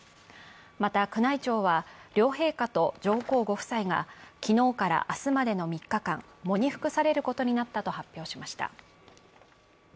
また、宮内庁は両陛下と上皇ご夫妻が昨日から明日までの３日間、喪に服されることになったと発表しました。